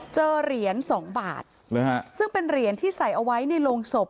เจอเหรียญสองบาทซึ่งเป็นเหรียญที่ใส่เอาไว้ในโรงศพ